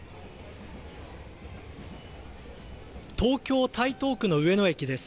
東京台東区の上野駅です。